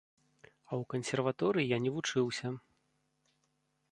А ў кансерваторыі я не вучыўся.